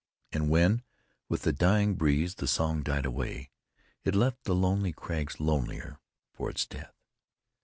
And when, with the dying breeze, the song died away, it left the lonely crags lonelier for its death.